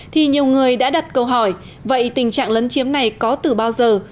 thì nhiều người đã đặt câu hỏi vậy tình trạng lấn chiếm này có từ bao giờ